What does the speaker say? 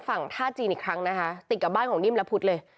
ฝั่งท่าจีนอีกครั้งนะคะติดกับบ้านของนิ่มและพุทธเลย